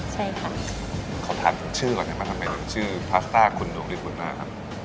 ใช่ค่ะเขาทานคุณชื่อก่อนได้ไหมทำไมชื่อพลาสต้าคุณดวงริฟุนหน้าครับ